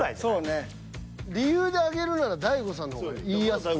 理由で挙げるなら大悟さんの方が言いやすく。